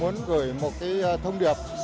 muốn gửi một thông điệp